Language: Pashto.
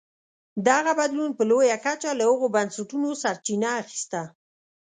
دغه بدلون په لویه کچه له هغو بنسټونو سرچینه اخیسته.